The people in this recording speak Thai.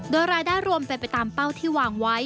โดยรายได้รวมเป็นไปตามเป้าที่วางไว้